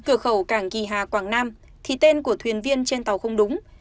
cửa khẩu cảng kỳ hà quảng nam thì tên của thuyền viên trên tàu không đúng